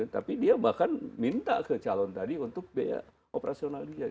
tapi dia bahkan minta ke calon tadi untuk biaya operasional dia